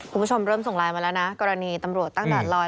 คุณผู้ชมเริ่มส่งไลน์มาแล้วนะกรณีตำรวจตั้งด่านลอย